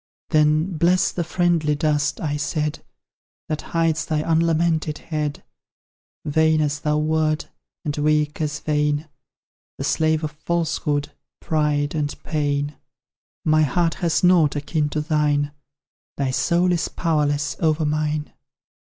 Then "Bless the friendly dust," I said, "That hides thy unlamented head! Vain as thou wert, and weak as vain, The slave of Falsehood, Pride, and Pain My heart has nought akin to thine; Thy soul is powerless over mine."